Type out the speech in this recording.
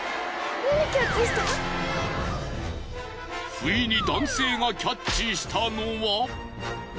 ふいに男性がキャッチしたのは。